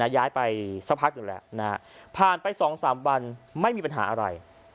ย้ายไปสักพักอยู่แล้วผ่านไป๒๓วันไม่มีปัญหาอะไร